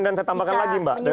dan saya tambahkan lagi mbak